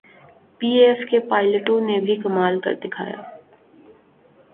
P A F کے پائلٹوں نے بھی کمال کرکے دکھایا۔